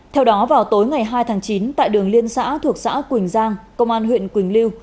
theo đó vào tối ngày hai tháng chín tại đường liên xã thuộc xã quỳnh giang công an huyện quỳnh lưu